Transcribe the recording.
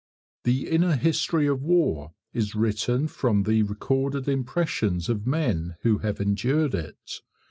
The inner history of war is written from the recorded impressions of men who have endured it.